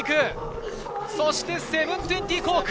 そして７２０コーク。